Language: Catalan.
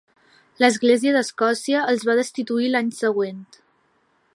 L'església d'Escòcia els va destituir l'any següent.